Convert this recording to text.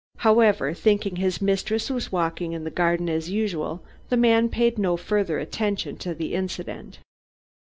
However, thinking his mistress was walking in the garden as usual, the man paid no further attention to the incident.